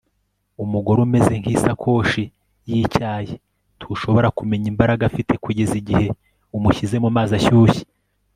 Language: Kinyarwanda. umugore ameze nk'isakoshi y'icyayi - ntushobora kumenya imbaraga afite kugeza igihe umushyize mu mazi ashyushye